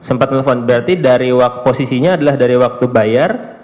sempat menelpon berarti dari posisinya adalah dari waktu bayar